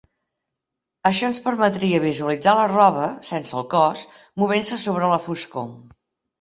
Això ens permetia visualitzar la roba, sense el cos, movent-se sobre la foscor.